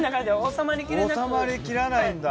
収まりきらないんだ。